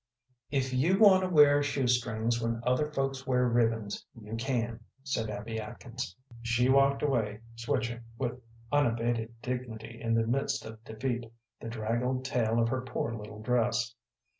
"If you want to wear shoe strings when other folks wear ribbons, you can," said Abby Atkins. She walked away, switching, with unabated dignity in the midst of defeat, the draggled tail of her poor little dress.